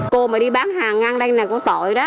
cô mà đi bán hàng ngăn đây này có tội đó